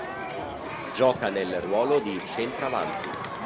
Gioca nel ruolo di centravanti.